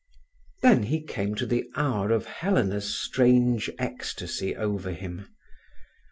Then he came to the hour of Helena's strange ecstasy over him.